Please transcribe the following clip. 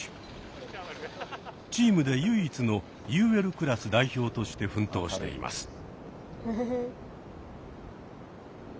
チームで唯一のＵＬクラス代表として奮闘しています。